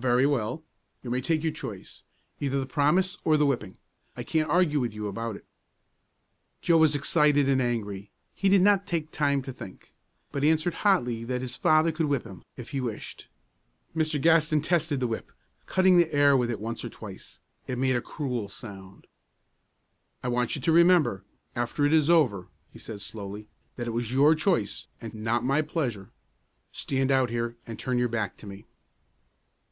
"Very well; you may take your choice, either the promise or the whipping. I can't argue with you about it." Joe was excited and angry. He did not take time to think, but answered hotly that his father could whip him if he wished. Mr. Gaston tested the whip, cutting the air with it once or twice. It made a cruel sound. "I want you to remember, after it is over," he said slowly, "that it was your choice, and not my pleasure. Stand out here, and turn your back to me."